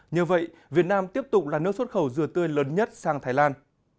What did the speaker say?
như vậy việt nam tiếp tục là nước xuất khẩu dừa tươi lớn nhất sang thái lan